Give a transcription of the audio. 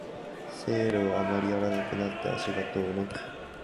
セールをあまりやらなくなって足が遠のく